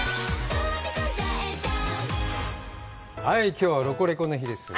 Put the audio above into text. きょうは「ロコレコ！」の日です。